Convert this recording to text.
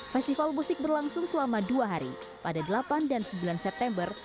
festival musik berlangsung selama dua hari pada delapan dan sembilan september